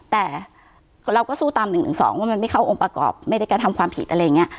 แต่เราก็สู้ตาม๑๑๒ว่ามันไม่เข้าองค์ประกอบไม่ได้กระทำความผิดอะไรอย่างนี้